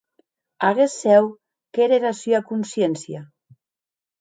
Aguest cèu qu’ère era sua consciéncia.